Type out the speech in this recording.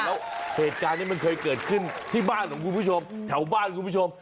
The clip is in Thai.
แล้วเหตุการณ์นี้มันเคยเกิดขึ้นที่บ้านของคุณผู้ชมแถวบ้านคุณผู้ชม